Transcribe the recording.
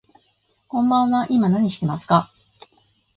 こんばんは、今何してますか。